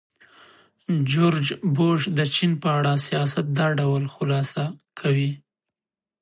جورج بوش د چین په اړه سیاست دا ډول خلاصه کوي.